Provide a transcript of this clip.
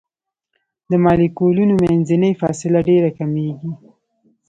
د مالیکولونو منځنۍ فاصله ډیره کمیږي.